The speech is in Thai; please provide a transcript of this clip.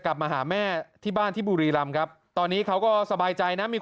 กลับมาหาแม่ที่บ้านที่บุรีรำครับตอนนี้เขาก็สบายใจนะมี